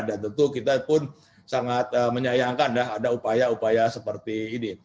dan tentu kita pun sangat menyayangkan ada upaya upaya seperti ini